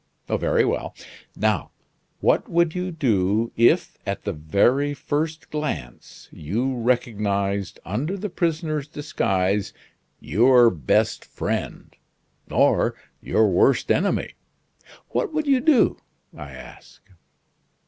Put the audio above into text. Very well. Now, what would you do if, at the very first glance, you recognized under the prisoner's disguise your best friend, or your worst enemy? What would you do, I ask?"